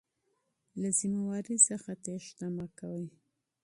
له مسؤلیت څخه تیښته مه کوئ.